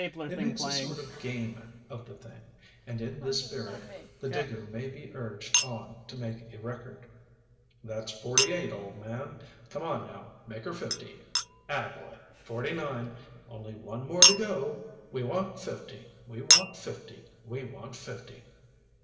It makes a sort of game of the thing, and in this spirit the digger may be urged on to make a record. "That's forty eight, old man! Come on now, make her fifty. Attaboy, forty nine! Only one more to go. We want fifty we want fifty we want fifty."